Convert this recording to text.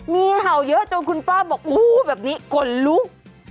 มีเห่าเยอะจนคุณป้าบอกอู้แบบนี้ขนลุก